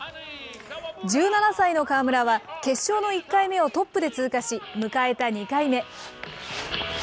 １７歳の川村は、決勝の１回目をトップで通過し、迎えた２回目。